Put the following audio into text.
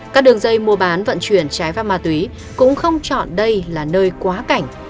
các đường dây mua bán vận chuyển trái phép ma túy cũng không chọn đây là nơi quá cảnh